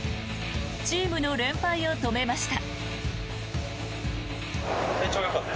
チームの連敗を止めました。